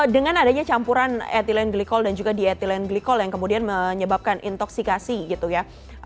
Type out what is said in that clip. dengan adanya campuran ethylene glycol dan juga diethylene glycol yang kemudian menyebabkan intoksikasi gitu ya